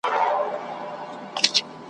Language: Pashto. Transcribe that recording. چي تر څو پوري د زور توره چلیږي ,